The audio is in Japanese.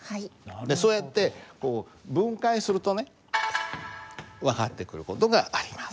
そうやってこう分解するとね分かってくる事があります。